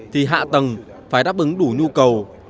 thì hạ tầng phải đáp ứng đủ nhu cầu